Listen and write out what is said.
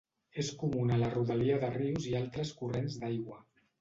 És comuna a la rodalia de rius i altres corrents d'aigua.